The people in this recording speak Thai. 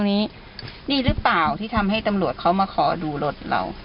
นี้นี่หรือเปล่าที่ทำให้ตำรวจเขามาขอดูรถเรา